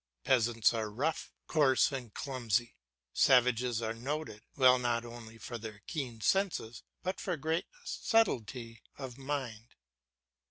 Peasants are rough, coarse, and clumsy; savages are noted, not only for their keen senses, but for great subtility of mind.